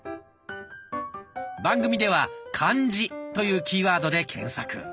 番組では「漢字」というキーワードで検索。